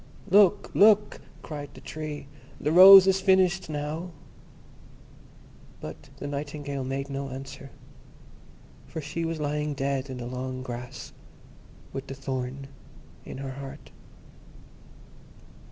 "Look, look!" cried the Tree, "the rose is finished now"; but the Nightingale made no answer, for she was lying dead in the long grass, with the thorn in her heart.